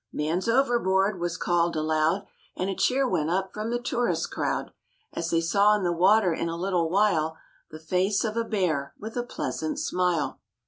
"Man's overboard," was called aloud; And a cheer went up from the tourist crowd As they saw in the water in a little while The face of a bear with a pleasant smile.